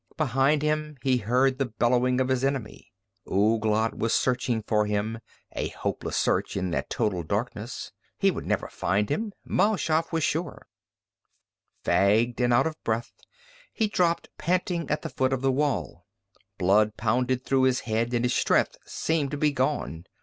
Behind him he heard the bellowing of his enemy. Ouglat was searching for him, a hopeless search in that total darkness. He would never find him. Mal Shaff felt sure. Fagged and out of breath, he dropped panting at the foot of the wall. Blood pounded through his head and his strength seemed to be gone.